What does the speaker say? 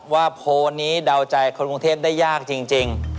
โพสต์นี้เดาใจคนกรุงเทพได้ยากจริง